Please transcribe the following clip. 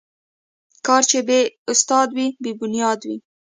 کار چې بې استاد وي، بې بنیاد وي.